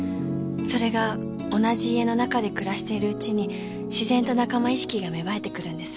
それが同じ家の中で暮らしてるうちに自然と仲間意識が芽生えてくるんです。